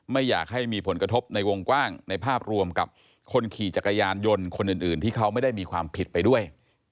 ไม่อยากให้มีผลกระทบในวงกว้างในภาพรวมกับคนขี่จักรยานยนต์คนอื่นที่เขาไม่ได้มีความผิดไปด้วย